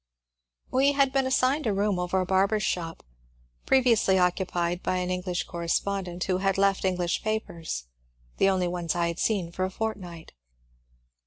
We had been assigned a room over a barber's shop, previ ously occupied by an English correspondent, who had left English papers, the only ones I had seen for a fortnight.